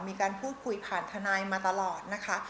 มีการพูดคุยผ่านทนายมาตลอดนะคะ